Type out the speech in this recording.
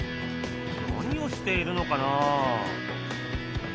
何をしているのかなあ？